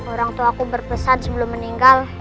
orang tuaku berpesan sebelum meninggal